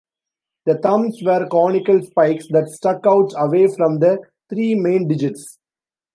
The thumbs were conical spikes that stuck out away from the three main digits.